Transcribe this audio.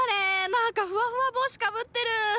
なんかふわふわ帽子かぶってる！